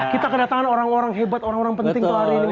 kita kedatangan orang orang hebat orang orang penting tuh hari ini